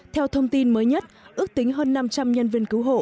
theo thông tin mới nhất ước tính hơn năm trăm linh nhân viên cứu hộ